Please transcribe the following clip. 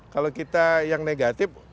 kalau kita yang negatif